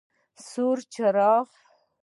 سور څراغ: